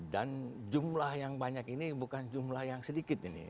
dan jumlah yang banyak ini bukan jumlah yang sedikit ini